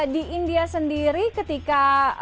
di india sendiri ketika